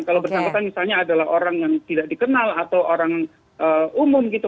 kalau bersangkutan misalnya adalah orang yang tidak dikenal atau orang umum gitu